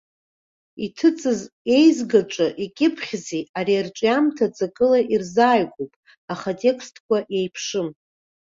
Иҭыҵыз иеизгаҿы икьыԥхьызи, ари арҿиамҭа ҵакыла ирзааигәоуп, аха атекстқәа еиԥшым.